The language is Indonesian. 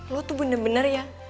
lo tuh bener bener ya